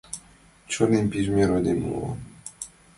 Чонем пижме родем уло.